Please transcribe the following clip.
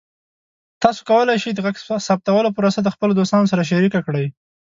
تاسو کولی شئ د غږ ثبتولو پروسه د خپلو دوستانو سره شریکه کړئ.